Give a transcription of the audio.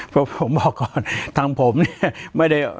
ปากกับภาคภูมิ